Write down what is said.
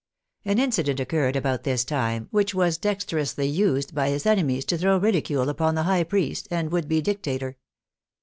An incident occurred about this time which was dexterously used by his enemies to throw ridicule upon the high priest and would be dictator.